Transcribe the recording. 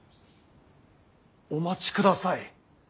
お待ちください。